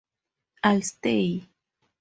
I’ll stay.